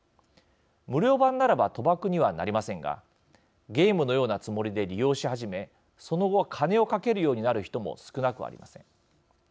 無料版ならば賭博にはなりませんがゲームのようなつもりで利用し始めその後金を賭けるようになる人も少なくありません。